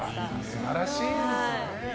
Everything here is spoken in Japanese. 素晴らしいですね。